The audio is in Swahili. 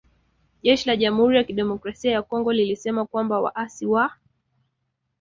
jeshi la jamhuri ya kidemokrasia ya Kongo lilisema kwamba waasi wa